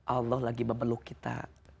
allah lagi memeluk kita